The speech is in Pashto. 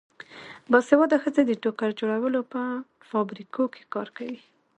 باسواده ښځې د ټوکر جوړولو په فابریکو کې کار کوي.